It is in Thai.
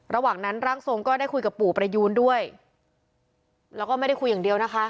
ระหว่างนั้นร่างทรงก็ได้คุยกับปู่ประยูนด้วยแล้วก็ไม่ได้คุยอย่างเดียวนะคะ